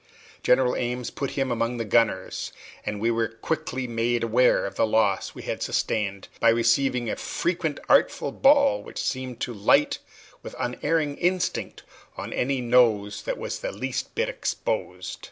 General Ames put him among the gunners, and we were quickly made aware of the loss we had sustained, by receiving a frequent artful ball which seemed to light with unerring instinct on any nose that was the least bit exposed.